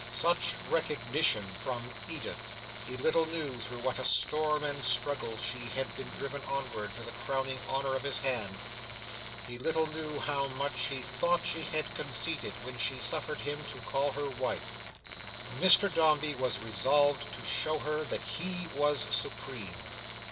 Such recognition from Edith! He little knew through what a storm and struggle she had been driven onward to the crowning honour of his hand. He little knew how much she thought she had conceded, when she suffered him to call her wife. Mr Dombey was resolved to show her that he was supreme.